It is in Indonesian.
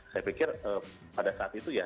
saya pikir pada saat itu ya